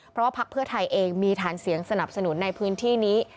เพราะว่าพักเพื่อไทยเองมีฐานเสียงสนับสนุนในพื้นที่นี้